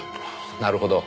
なるほど。